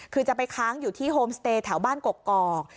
คือจะไปค้างอยู่ที่โฮมสเตย์แถวบ้านกกอก